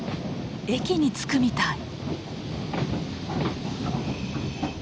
駅に着くみたい。